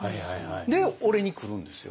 で俺に来るんですよ。